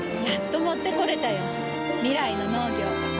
やっと持ってこれたよ。未来の農業。